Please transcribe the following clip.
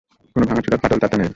কোন ভাঙ্গাচুরা বা ফাটল তাতে নেই।